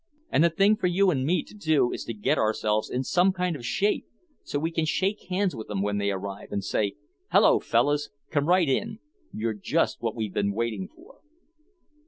And the thing for you and me to do is to get ourselves in some kind of shape so we can shake hands with 'em when they arrive, and say, 'Hello, fellahs, come right in. You're just what we've been waiting for.'"